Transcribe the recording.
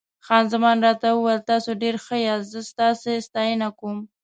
خان زمان راته وویل: تاسي ډېر ښه یاست، زه ستاسي ستاینه کوم.